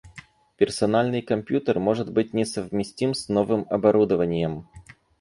Персональный компьютер может быть несовместим с новым оборудованием